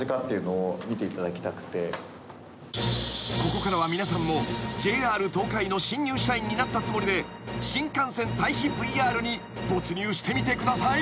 ［ここからは皆さんもＪＲ東海の新入社員になったつもりで新幹線待避ＶＲに没入してみてください］